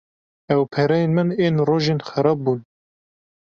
Ew pereyên min ên rojên xerab bûn.